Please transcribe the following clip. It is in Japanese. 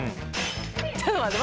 ちょっと待って。